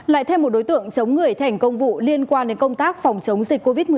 lại thêm một đối tượng chống người thành công vụ liên quan đến công tác phòng chống dịch covid